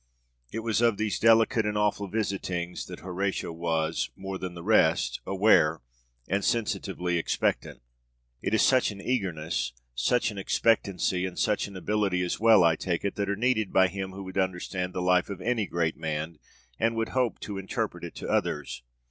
It was of these delicate and awful visitings that Horatio was, more than the rest, aware and sensitively expectant. It is such an eagerness, such an expectancy, and such an ability as well, I take it, that are needed by him who would understand the life of any great man and would hope to interpret it to others.